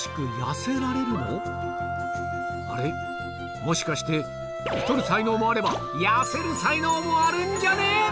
もしかして太る才能もあれば痩せる才能もあるんじゃねえ？」